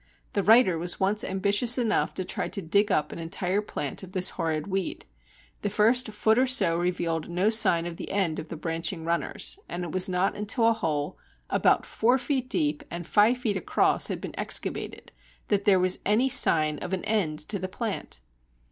The writer was once ambitious enough to try to dig up an entire plant of this horrid weed. The first foot or so revealed no sign of the end of the branching runners, and it was not until a hole about four feet deep and five feet across had been excavated that there was any sign of an end to the plant.